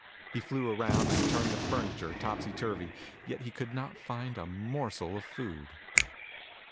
He flew around and turned the furniture topsy turvy, yet he could not And a morsel of food.